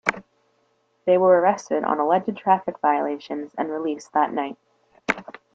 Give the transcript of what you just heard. They were arrested on alleged traffic violations and released that night.